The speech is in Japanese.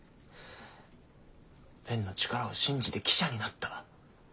ペンの力を信じて記者になった。